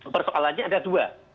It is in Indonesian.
persoalannya ada dua